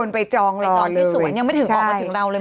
ไปจองเลยจองที่สวนยังไม่ถึงออกมาถึงเราเลย